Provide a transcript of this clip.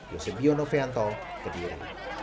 yosebio novianto kediri